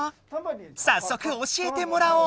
さっそく教えてもらおう。